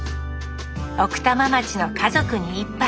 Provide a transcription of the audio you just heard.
奥多摩町の「家族に一杯」。